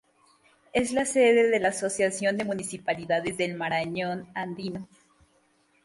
Es la sede de la Asociación de Municipalidades del Marañón Andino.